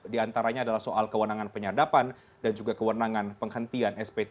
di antaranya adalah soal kewenangan penyadapan dan juga kewenangan penghentian sp tiga